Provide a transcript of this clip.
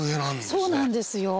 そうなんですよ。